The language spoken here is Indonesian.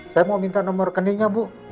saya mau minta nomor rekeningnya bu